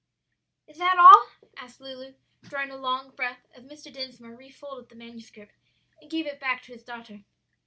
'" "Is that all?" asked Lulu, drawing a long breath, as Mr. Dinsmore refolded the manuscript and gave it back to his daughter.